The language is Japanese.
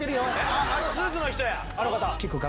あっあのスーツの人や！